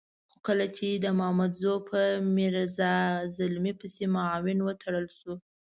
خو کله چې د مامدزو په میرزا زلمي پسې معاون وتړل شو.